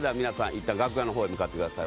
いったん楽屋の方へ向かってください。